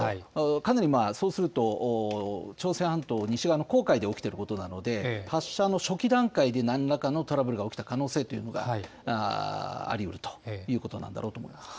かなりそうすると、朝鮮半島西側の黄海で起きていることなので、発射の初期段階でなんらかのトラブルが起きた可能性というのがありうるということなんだろうと思